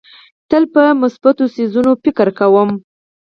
تل په مثبتو څیزونو غور کوم.